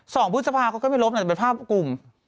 พฤษภาเขาก็ไม่ลบแต่เป็นภาพกลุ่ม